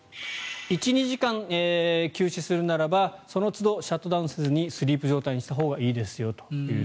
１２時間休止するならばそのつどシャットダウンせずにスリープ状態にしたほうがいいですよと。